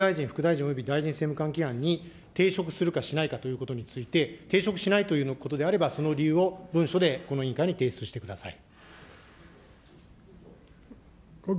大臣、文書で、この２１世紀株式会社の株式取得が、国務大臣、副大臣及び政務官に抵触するかしないかということについて、抵触しないということであれば、その理由を文書でこの委員会に提出してください。